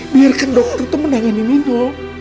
biarkan dokter tuh menangani nino